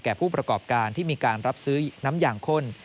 ผู้ประกอบการที่มีการรับซื้อน้ำยางข้น